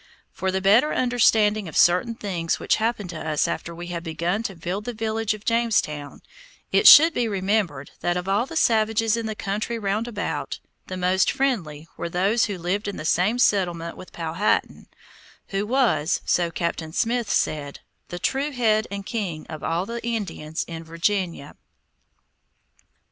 For the better understanding of certain things which happened to us after we had begun to build the village of Jamestown, it should be remembered that of all the savages in the country roundabout, the most friendly were those who lived in the same settlement with Powhatan, who was, so Captain Smith said, the true head and king of all the Indians in Virginia.